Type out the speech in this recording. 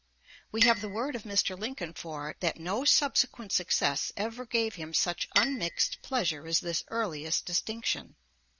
We have the word of Mr. Lincoln for it, that no subsequent success ever gave him such unmixed pleasure as this earliest distinction.